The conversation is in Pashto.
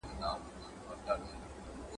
دا پريکړي بايد په ټولنه کي پلي سي.